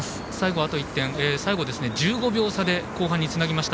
もう１点、最後は１５秒差で後半につなげました。